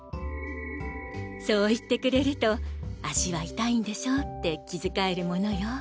そう言ってくれると「足は痛いんでしょ？」って気遣えるものよ。